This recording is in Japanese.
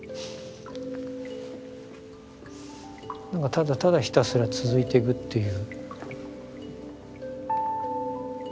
ただただひたすら続いていくっていう。